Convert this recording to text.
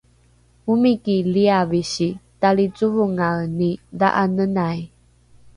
omiki liavisi talicovongaeni dha’anenai